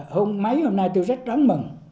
hôm mấy hôm nay tôi rất đáng mừng